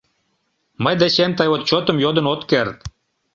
Мый дечем тый отчётым йодын от керт.